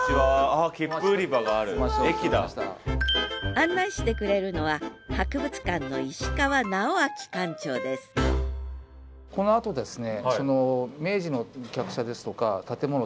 案内してくれるのは博物館のこのあとですね